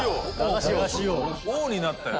タカ：王になったよ。